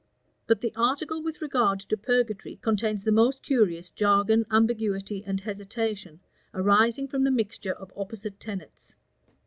But the article with regard to purgatory contains the most curious jargon, ambiguity, and hesitation, arising from the mixture of opposite tenets.